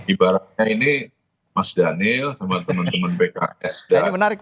ibaratnya ini mas daniel sama teman teman pks dan mas jep